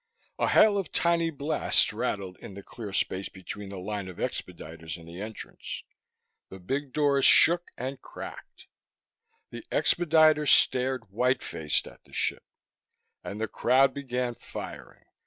A hail of tiny blasts rattled in the clear space between the line of expediters and the entrance. The big doors shook and cracked. The expediters stared white faced at the ship. And the crowd began firing.